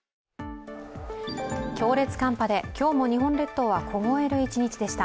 強烈寒波で今日も日本列島は凍える一日でした。